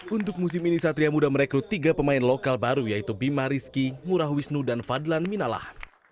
untuk musim ini satria muda merekrut tiga pemain lokal baru yaitu bima rizky murah wisnu dan fadlan minalah